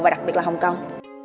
và đặc biệt là hong kong